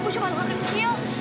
saya cuma rumah kecil